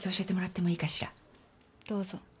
どうぞ。